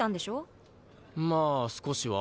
まあ少しは。